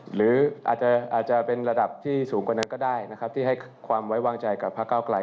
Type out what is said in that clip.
หรืออาจจะเป็นระดับที่สูงกว่านั้นก็ได้นะครับที่ให้ความไว้วางใจกับพระเก้าไกล